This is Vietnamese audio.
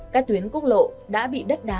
các tuyến quốc lộ đã bị đất đáy